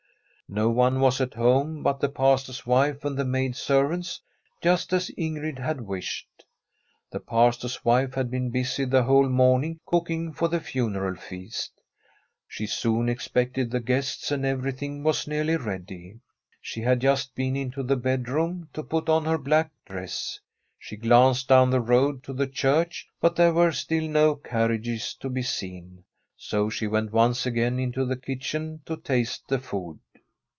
No one was at home but the Pastor's wife and the maid servants, just as Ingrid had wished. The Pastor's wife had been busy the whole morning cooking for the funeral feast. She soon expected the guests, and everything was nearly ready. She had just been into the bedroom to put on her black dress. She glanced down the road to the church, but there were still no car riages to be seen. So she went once again into the kitchen to taste the food.